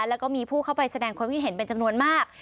แล้วก็มีผู้เข้าไปแสดงความคิดเห็นเป็นจำนวนมาก